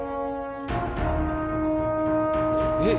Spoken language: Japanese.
えっ？